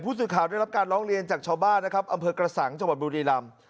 สื่อข่าวได้รับการร้องเรียนจากชาวบ้านนะครับอำเภอกระสังจังหวัดบุรีรำ